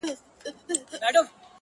او زما د غرونو غم لړلې کيسه نه ختمېده،